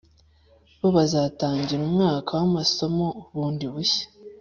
bo bazatangira umwaka w’amasomo bundi bushya